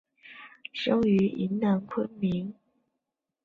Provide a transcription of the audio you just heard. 生于云南昆明。